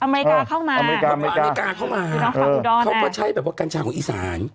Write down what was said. อเมริกาเข้ามาอเมริกาเข้ามาฝั่งอุดรเขาก็ใช้แบบว่ากัญชาของอีสาน